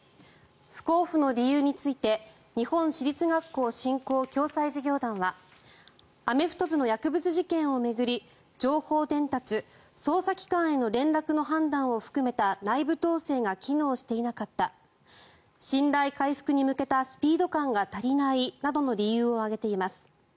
不交付の理由について日本私立学校振興・共済事業団はアメフト部の薬物事件を巡り情報伝達、捜査機関への連絡の判断を含めた内部統制が機能していなかった信頼回復に向けたスピード感が足りないなどの理由を挙げています。